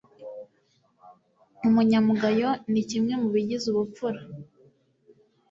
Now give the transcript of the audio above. ubunyamugayo ni kimwe mu bigize ubupfura